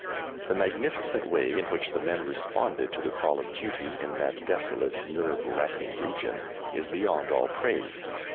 The magnificent way in which the men responded to the call of duty in that desolate, nerve racking region, is beyond all praise.